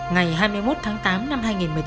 ngày hai mươi một tháng tám năm hai nghìn một mươi tám